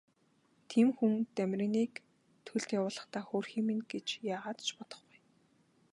Тийм хүн Дамираныг төлд явуулахдаа хөөрхий минь гэж яагаад ч бодохгүй.